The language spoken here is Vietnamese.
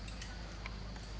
chúng tôi là tăng trưởng